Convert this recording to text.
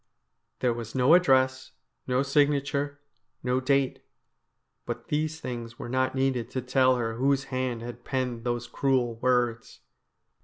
There was no address, no signature, no date. But these things were not needed to tell her whose hand had penned those cruel words.